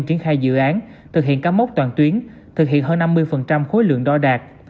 triển khai dự án thực hiện cám mốc toàn tuyến thực hiện hơn năm mươi khối lượng đo đạt